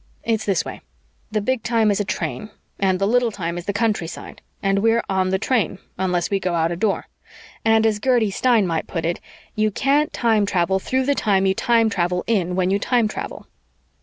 It's this way: the Big Time is a train, and the Little Time is the countryside and we're on the train, unless we go out a Door, and as Gertie Stein might put it, you can't time travel through the time you time travel in when you time travel.